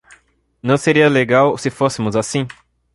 Não seria legal se fôssemos assim?